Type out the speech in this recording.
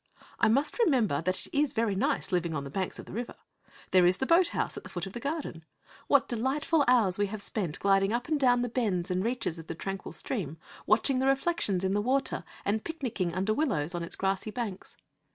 I must remember that it is very nice living on the banks of the river. There is the boat house at the foot of the garden. What delightful hours we have spent gliding up and down the bends and reaches of the tranquil stream, watching the reflections in the water, and picnicking under the willows on its grassy banks!